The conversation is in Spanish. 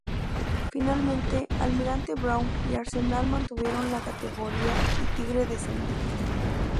Finalmente, Almirante Brown y Arsenal mantuvieron la categoría y Tigre descendió.